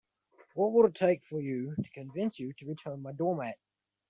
What would it take to convince you to return my doormat?